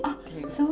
そう。